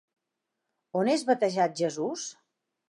On és batejat Jesús?